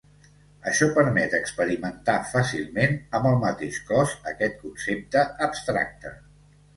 Això permet experimentar fàcilment amb el mateix cos aquest concepte abstracte.